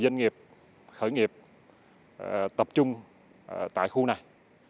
một mươi doanh nghiệp khởi nghiệp tập trung tại khu này